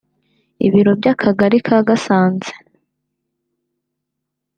Ibiro by’Akagari ka Gasanze